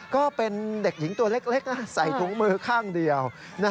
ก็เป็นเด็กหญิงตัวเล็กใส่ถุงมือข้างเดียว